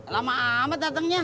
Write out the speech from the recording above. lama amat datengnya